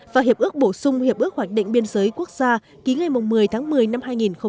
và hiệp ước bổ sung hiệp ước hoạch định biên giới quốc gia ký ngày một mươi tháng một mươi năm hai nghìn một mươi năm